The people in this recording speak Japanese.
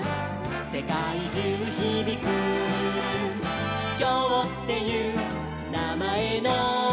「せかいじゅうひびく」「きょうっていうなまえの」